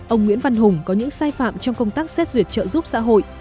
ông nguyễn văn hùng có những sai phạm trong công tác xét duyệt trợ giúp xã hội